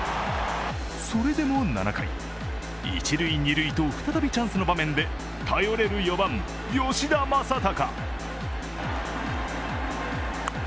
それでも７回、一・二塁と再びチャンスの場面で頼れる４番・吉田正尚。